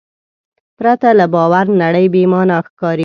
پرته له باور نړۍ بېمانا ښکاري.